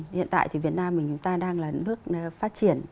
hiện tại thì việt nam mình chúng ta đang là nước phát triển